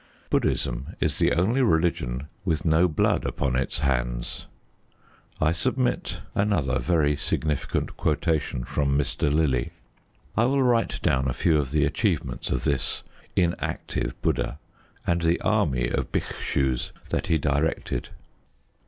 Buddhism is the only religion with no blood upon its hands. I submit another very significant quotation from Mr. Lillie: I will write down a few of the achievements of this inactive Buddha and the army of Bhikshus that he directed: 1.